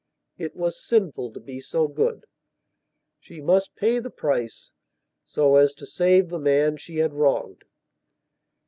It was sinful to be so good. She must pay the price so as to save the man she had wronged.